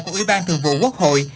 của ủy ban thường vụ quốc hội